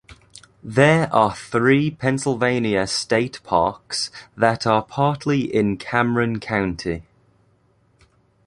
There are three Pennsylvania state parks that are partly in Cameron County.